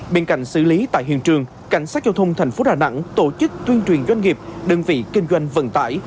bên cạnh xử lý tại hiện trường cảnh sát giao thông thành phố đà nẵng tổ chức tuyên truyền doanh nghiệp đơn vị kinh doanh vận tải